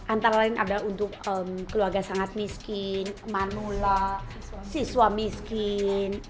antara lain adalah untuk keluarga sangat miskin manula siswa miskin